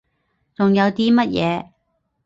仲有啲乜嘢？